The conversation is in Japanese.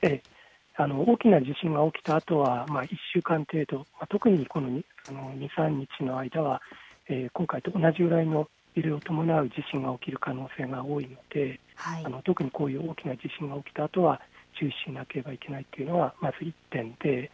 大きな地震が起きたあとは１週間程度、特にこの２、３日の間は今回と同じぐらいの揺れを伴う地震が起きる可能性が多いので特にこういう大きな地震が起きたあとは注意しなければいけないというのが１点です。